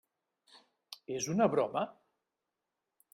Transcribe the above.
És una broma?